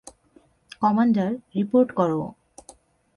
Commander, report করো!